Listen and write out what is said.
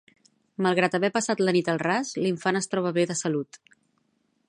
Malgrat haver passat la nit al ras, l'infant es troba bé de salut.